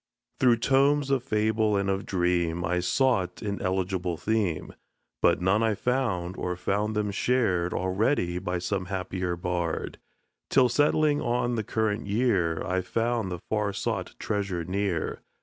Through tomes of fable and of dream I sought an eligible theme; But none I found, or found them shared Already by some happier bard, Till settling on the current year I found the far sought treasure near.